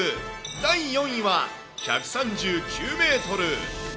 第４位は、１３９メートル。